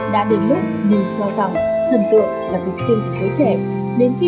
đã đến lúc mình cho rằng thần tượng là việc xuyên của giới trẻ